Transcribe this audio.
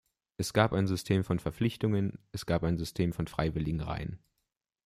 Es gab ein System von Verpflichtungen, es gab ein System von freiwilligen Reihen.